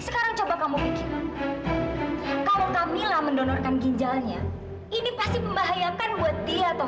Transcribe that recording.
sekarang coba kamu pikir kalau camilla mendonorkan ginjalnya ini pasti pembahayakan buat dia atau